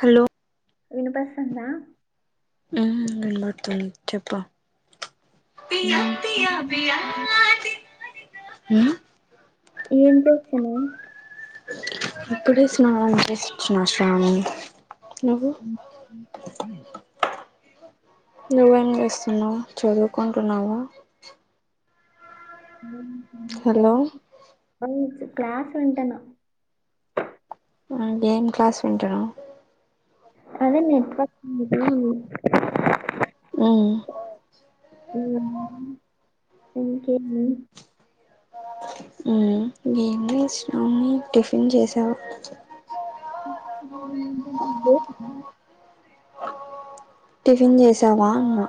Hello వినిపస్తందా ఆహా వినబడుతుంది చెప్పు ఉమ్ ఆ ఏం చేస్తన్నావ్ ఇప్పుడే స్నానం చేసి వచ్చినా శ్రావణి నువ్వు నువ్వేం చేస్తున్నావ్ చదువుకుంటున్నావు హలో ఆ క్లాస్ వింటాన్నా ఏం క్లాస్ వింటనవ్ అదే నెట్వర్క్ ఊ ఊ ఇంకేమి ఏం లేదు శ్రావణి టిఫిన్ చేసావా టిఫిన్ చేసావా అన్నా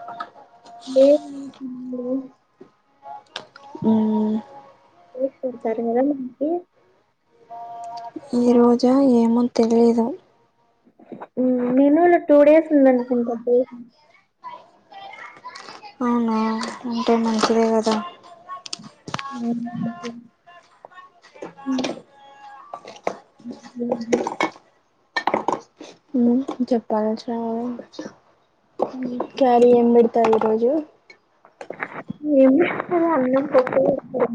లేదు సింధు ఊ ఫ్రూట్స్ పెడతారు కదా మన్ కి ఈ రోజా ఏమో తెలిదు నేను టూ డేస్ ఉందనుకుంటా దోసలు అవునా ఉంటే మంచిదే కదా [unintelligible] [unintelligible] చెప్పాలే చాలా క్యారీ ఏం పెడతారు ఈరోజు ఏముంటది అన్నం పప్పు చేస్తారు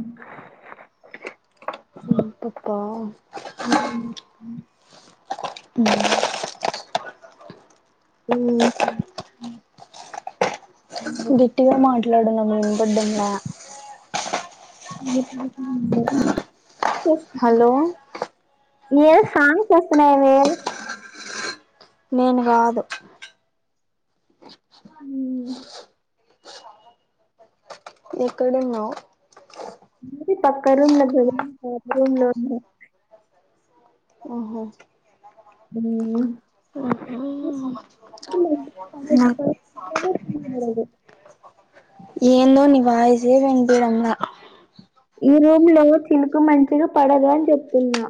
ఆ పప్పా ఊ ఊ ఓ గట్టిగా మాట్లాడండి వినపడ్డంలే హలో [unintelligible] ఏ సాంగ్స్ వస్తున్నాయేమీ నేను కాదు ఊ ఎక్కడున్నావ్ మాది పక్క రూమ్ లో [unintelligible] రూమ్ లో ఉన్న ఆహో ఆ నాకు [inaudible] ఏందో నీ వాయిస్ ఏం వినిపియడంలా ఈ రూమ్ లో చిలుకు మంచిగా పడదని చెప్తున్నా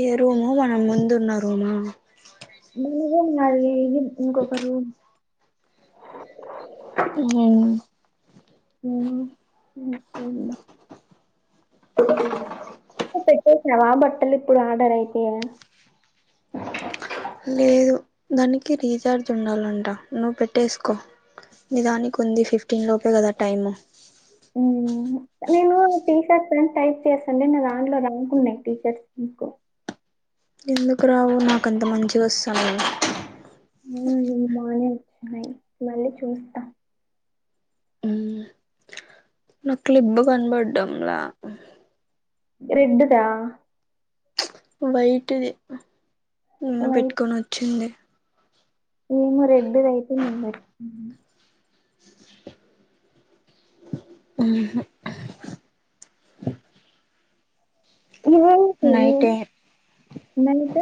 ఈ రూమా మనం ముందు ఉన్న రూమా నువ్వే ఉన్నదీరూమ్ ఇంకొక రూమ్ ఇంగోరూమ్ ముందు చూస్ పొయ్నా నువ్ పెట్టేసినావా బట్టలు ఇప్పుడు ఆర్డర్ అయితే లేదు దానికి రీచార్జ్ ఉండల్లంట నువ్వు పెట్టేసుకో ని దానికి ఉంది ఫిఫ్టీన్ లోపే కదా టైము మ్ నేనూ టీ షర్ట్స్ అని టైప్ చేసాను నా దాంట్లో రాకున్నయ్ టీ షర్ట్స్ ఎందుకో ఎందుకు రావు నాకంత మంచిగ వస్సున్నాయ్ బాగుంది ఇది మోడల్ గ్రై మళ్ళీ చూస్తా నా క్లిబ్బు కనపడ్డంలా రెడ్డుదా వైటే నిన్న వైట్ పెట్టుకోనొచ్చిందే ఏమో రెడ్డుదయితే నేను పెట్టుకున్నా ఊహు నాకిది నైటే ఇంకెంత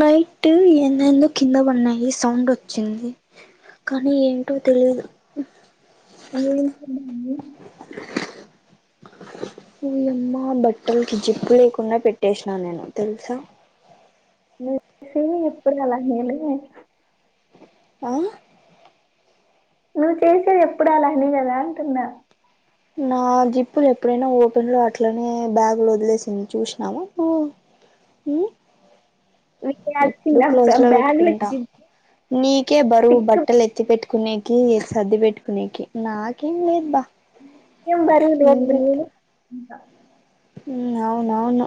నైటూ ఏంద్ ఏందో కింద పన్నాయి సౌండ్ వచ్చింది కానీ ఏంటో తెలీదు ఏం సభందు అయ్యమ్మా బట్టల్కి జిప్పు లేకుండా పెట్టేసినా నేను తెలుసా బుక్సూ ఎప్పుడు నా దాంట్లోనే నోట్ బుక్స్ ఆ నువ్వు చేసేది ఎప్పుడు అలానే కదా అంటున్నా నా జిప్పులు ఎప్పుడైనా ఓపెన్ లో అట్లనే బ్యాగ్లో వదిలేసింది చూసినావ నువ్వు ఊ ఎప్పుడు వచ్చిన క్లోజ్ లో బ్యాగ్ పెట్టుకుంటా నీకే బరువు తిక్కు బట్టలు ఎత్తి పెట్ కునేకీ సర్ది పెట్టుకునేకి నాకేం లేదు బా ఇన్వెట్ ఇంకా ఇంగా నాను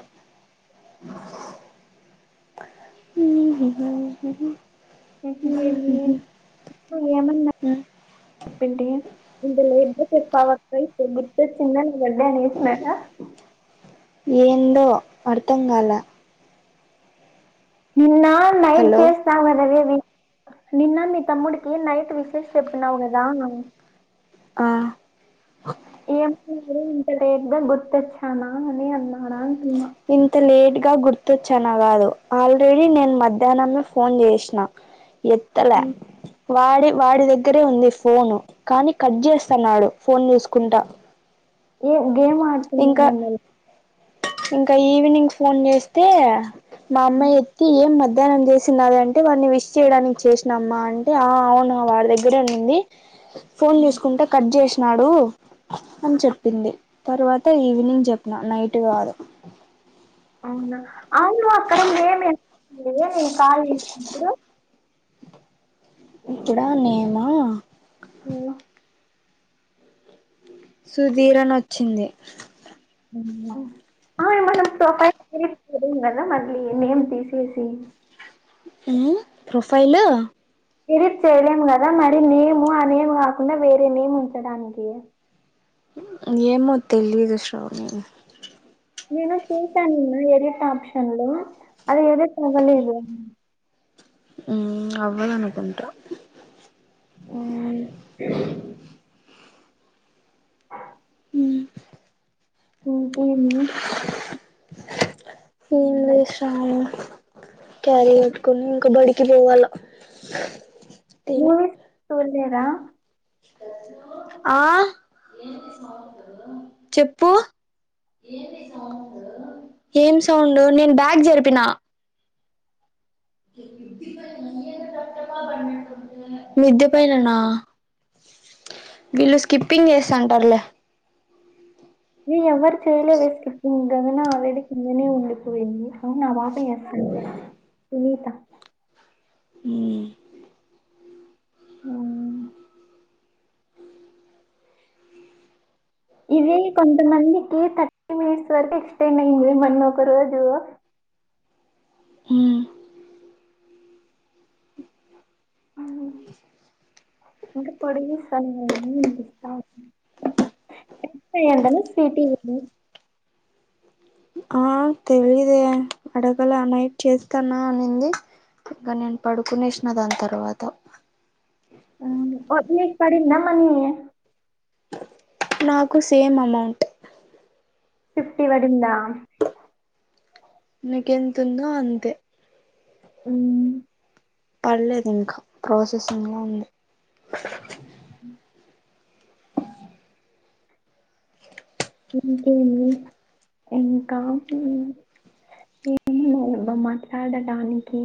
ఇంకేమీ ఇ ఏమన్నా తింటీ ఇంత లేట్ గ చెప్పా వక్క ఇప్పుడు గుర్తొచ్చింద నా బర్డే అనేసినార ఏందో అర్థం కాల నిన్నా నైట్ హలో జస్ట్ చాల్ అవవేవి నిన్న మీ తమ్ముడికి నైట్ విశష్ చెప్పినావు కదా అనన్ ఆ ఏం నువ్వు ఇంత లేటుగా గుర్తొచ్చానా అని అన్నాడా అంటున్నా ఇంత లేటు గా గుర్తొచ్చాన కాదు ఆల్రెడీ నేను మధ్యాన్నమే ఫోన్ చేసిన [inaudible] ఎత్తల ఉమ్. వాడి వాడి దగ్గరే ఉంది ఫోను కానీ కట్ చేస్సన్నాడు ఫోన్ చూసుకుంటా ఊ గేమ్ ఇంకా ఆడుతున్నాడేమో లే ఇంకా ఈవినింగ్ ఫోన్ చేస్తే మా అమ్మ. ఉమ్. ఏం మధ్యాహ్నం చేసినదింటే వాడిని విష్ చేయడానికి చేసినమ్మా అంటే ఆ అవునా వాడి దగ్గరనింది. ఫోన్ చూసుకుంటే కట్ చేసినాడు అని చెప్పింది. తర్వాత ఈవినింగ్ చెప్పిన నైట్ కాదు. అవును అక్కడ ఏమి నేను కాల్ చేినప్పుడు. ఇప్పుడా నేమా. ఆ. సుధీరన్ వచ్చింది. మనం ప్రొఫైల్ కదా మళ్ీ నేమ్ తీసేసి. ప్రొఫైల్. మీరి చేయలేం కదా మరి నేము ఆ నేము కాకుండా వేరే నేమ్ ఉంచడానికి. ఏమో తెలీయదు శ్రావు నేన్. నేను చూశానున్న ఎరిట్ ఆప్షన్లు అది ఎది తగలేదు. అవ్వాలనుకుంటా. ఆ ఇంకేమి. ఏం లే శ్రాము. క్యారీ కట్టుకుని ఇంకా బడికి పోవాల. తిని మూవీస్ చూడలేదా. ఆ. చెప్పు. ఏం సౌండ్ నేను బ్యాగ్ జరిపిన. మిద్దె పైన నా. వీళ్ళు స్కిప్పింగ్ చేస్తంటారులే. ఏ ఎవవారు చేయలేదా స్కిప్పింగ్ అయినా ఆల్రెడి కొందనే ఉండిపోయింది అవు నా పాప. సునీత. ఊ. ఆవు. ఇవి కొంతమందికి థర్టీ మినిట్స్ వరకు ఎక్స్టెండ్ అయింది మన్న ఒక రోజు. అ. ఇంకా పొడిగిస్తా నేనే వినిపిస్తా. ఎక్స్ అయ్యిందను స్వీటీ ఇది. ఆ తెలిదే అడగల నైట్ చేస్తానా అనింది. అక్క నేను పడుకునే వసిన దాని తర్వాత. ఓ నీకు పడిందా మని. నాకు సేమ్ అమౌంట్. ఫిఫ్టీ వడిందా. నాకెంతుమ్మ్దో అంతే. ఊ. పడలేదు ఇంకా ప్రాసెసింగ్లో ఉంది. ఆ ఇంకేమి ఇంకా. ఏమీ లేవు అబ్బా మాట్లాడడాానికి.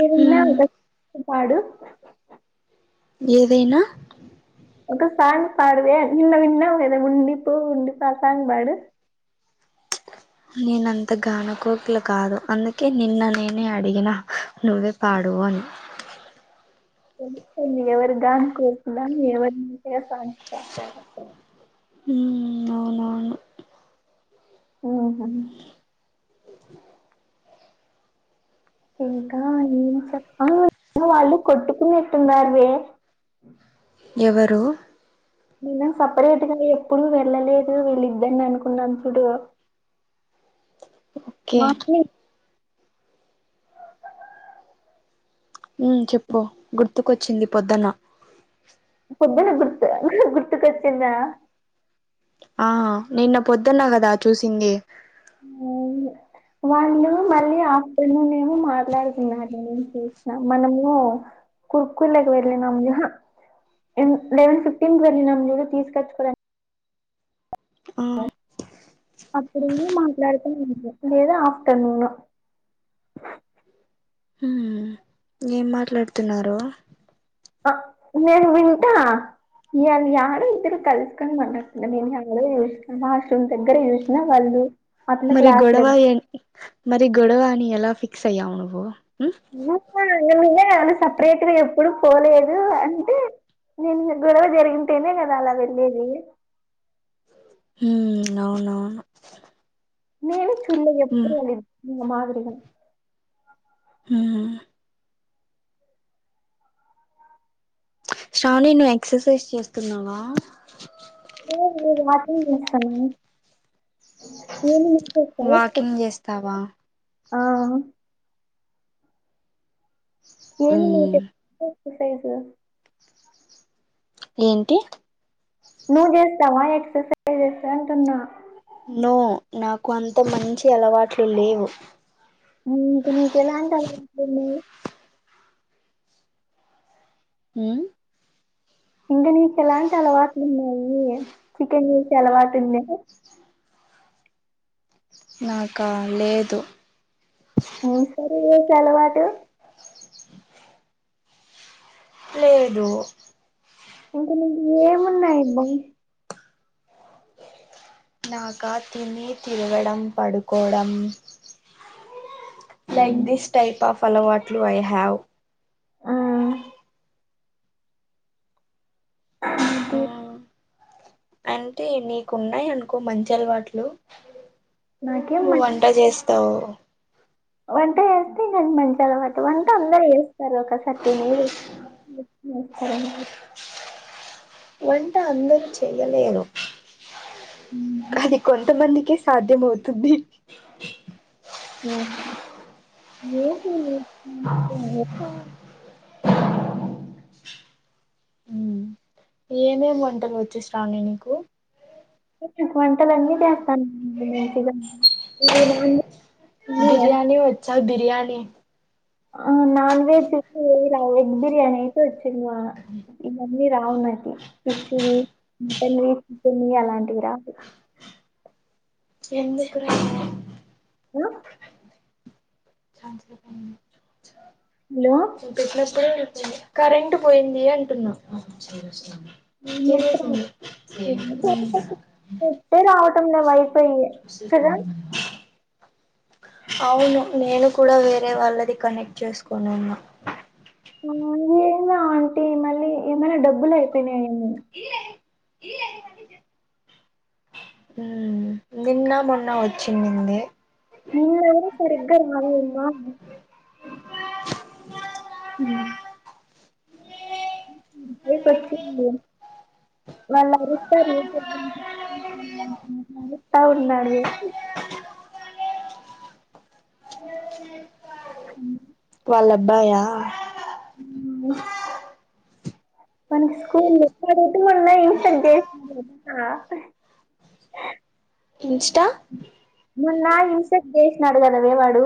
ఏను వినా హ్మ్ పాడు. ఏదైనా. ఒక సాంగ్ పాడవే నిన్న విన్న ఉదా ఉండిపు ఉండిపు ఆ సాంగ్ పాడు నేనంత గానకోకిల కాదు అందుకే నిన్న నేనే అడిగిన నువ్వే పాడువు అని [unintelligible] ఎవరు గాన కోకిల [unintelligible] హు ఆహా ఇంకా ఏం చెప్ప వాళ్ళు కొట్టుకునట్టున్నారువే ఎవరు మనం సపరేట్గా ఎప్పుడు వెళ్ళలేదు వీళ్ళిద్దని అనుకున్నాం చూడు ఓకే మా హు చెప్పు గుర్తుకొచ్చింది పొద్దన్న పుద్దుని గుర్తు గుర్తు కొచ్చిందా ఆ నిన్న పొద్దున్న కద చూసింది అవును వాళ్ళు మళ్ళీ ఆఫ్టర్నూన్ ఏమో మాట్లాడుతున్నారు నేను చూసిన మనము [unintelligible] లవెన్ ఫిఫ్టీన్ వెళ్లిమ్ తీసుకొచ్చుకోడ ఆ అప్పుడే మాట్లాడుత [unintelligible] ఆఫ్టర్ర్నూను హు ఏం మాట్లాడుతున్నారు నేను వింట ఇళ ఎడో ఇద్దరు కలుసుకని మన నేనుడో చూసినా వాష్రూమ్ దగ్గర చూసిన వాళ్ళు అట్లా మరి క్లాస్ గొడవ దగ్గర ఎ మరి గొడవ అని ఎలా ఫిక్స్ అయ్యావు నువ్వు [unintelligible] సపరేట్గా ఎప్పుడు పోలేదు అంటే [unintelligible] గొడవ జరిగితేేనే కదా అల వెళ్ళేది హు అవునవును నేను హ్మ్ [unintelligible] ఆ శ్రావణి నువ్వు ఎక్సర్సైజ్ చేస్తున్నావా [unintelligible] ఆ వాకింగ్ చేస్తావా [unintelligible] ఏమి హ్మ్ [unintelligible] ఏంటి నువ్వు చేస్తావ ఎక్ససైజ్స్ చేస్తావ అంటున్నా నో నాకు అంత మంచి అలవాట్లు లేవు మరి ఇంక నీకు ఎలాంటి అలవాట్లు [unintelligible] హు ఇంగ నీకు ఎలాంటి అలవాట్లు ఉన్నాయి చికెన్ చేసే అలవాటు ఉందా నాక లేదు [unintelligible] లేదు ఇంక నీకు ఏమున్నాయి అబ్బ నాక తిని తిరగడం పడుకోవడం like um, this type of అలవాట్లు ఐ హ్యావ్ ఆ ఇంకే- హ్మ్ అంటే నీకున్నాయి అనుకో మంచి అలవాట్లు నాకేం మ- [unintelligible] [unintelligible] చేస్తావు వంట వేస్తే ఇంటి మంచి అలవాటు వంట అందరు చేస్తారు ఒకసారి తినీ [unintelligible] వంట అందరు చెయ్యలేను అది కొంతమందికి సాధ్యమవుతుంది వామ్మో ఏంటిది [unintelligible] ఏమేమి వంటలు వచ్చు శ్రావణి నీకు వంటలు అన్నీ చేస్తాను మంచిగా అన్ని చేస్తా బిర్యానీ వచ్చా బిర్యానీ ఆ నాన్ వెజ్ ఇలా వెజ్ బిర్యానీ వచ్చిందివా ఇవన్నీ రావు నాకు ఫిష్ లు మటన్ న్ని అలాంటివి రావు ఎందుకు రావు ఆ చా హలో పెట్టినప్పుడే వెళ్ళిపోయింది కరెంట్ పోయింది అంటున్నా ఏం నెట్ చేసింది చెప్పు నెట్టే రావటం లేదు వై [unintelligible] అవును నేను కూడా వేరే వాళ్ళది కనెక్ట్ చేసుకోని ఉన్న ఆ ఏమో ఆంటీ మళ్ళీ ఏమైనా డబ్బులు అయిపోయినాయి ఏమో ఇల ఈల నిన్న మొన్న వచ్చింనిన్ది నిన్న ఎవరు సరిగ్గా రాలే ఉ బైపు వచ్చింది వాళ్ళు అరుస్తారు స్తా ఉన్నాడు వే అ వాళ్ళ అబ్బాయా ఉ మనకి స్కూల్ అడుగుత మన్న ఇంసర్ చేసిన కద ఇన్స్టా మొన్న ఇన్సర్ట్ చేసినాడు కదవే వాడు